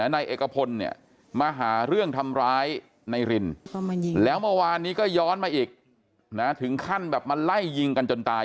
นายเอกพลเนี่ยมาหาเรื่องทำร้ายนายรินแล้วเมื่อวานนี้ก็ย้อนมาอีกถึงขั้นแบบมาไล่ยิงกันจนตาย